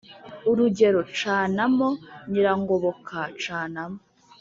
urugero: -« cana mo nyirangoboka cana mo/